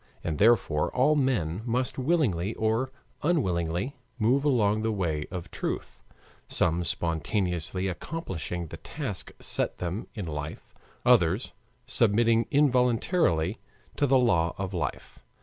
And therefore all men must willingly or unwillingly move along the way of truth, some spontaneously accomplishing the task set them in life, others submitting involuntarily to the law of life.